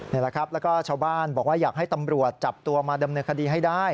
นี่แหละครับแล้วก็ชาวบ้านบอกว่าอยากให้ตำรวจจับตัวมาดำเนินคดีให้ได้